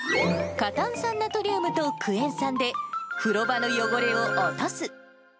過炭酸ナトリウムとクエン酸で風呂場の汚れを落とす。